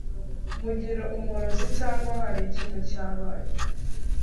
Mugira umurozi Cyangwa hari ikintu cyabaye